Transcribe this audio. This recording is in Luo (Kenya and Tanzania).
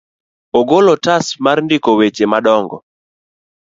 Ogolo otas mar ndiko weche madongo.